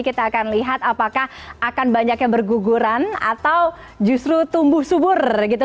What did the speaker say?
kita akan lihat apakah akan banyak yang berguguran atau justru tumbuh subur gitu